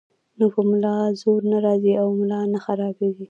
نو پۀ ملا زور نۀ راځي او ملا نۀ خرابيږي -